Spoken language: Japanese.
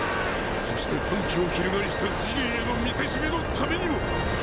そして反旗を翻したジギーへの見せしめのためにも！